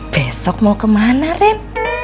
besok mau kemana ren